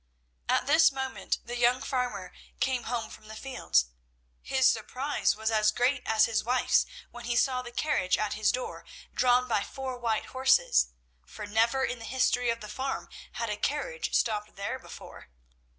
At this moment the young farmer came home from the fields. His surprise was as great as his wife's when he saw the carriage at his door drawn by four white horses; for never in the history of the farm had a carriage stopped there before.